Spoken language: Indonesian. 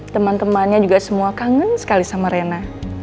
teman temannya juga semua kangen sekali sama rena